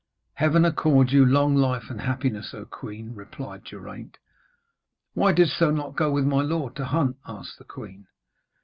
'Heaven accord you long life and happiness, O queen,' replied Geraint. 'Why didst thou not go with my lord to hunt?' asked the queen.